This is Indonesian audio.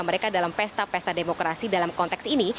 mereka dalam pesta pesta demokrasi dalam konteks ini